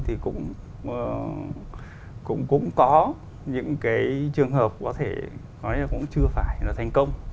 thì cũng có những cái trường hợp có thể nói là cũng chưa phải là thành công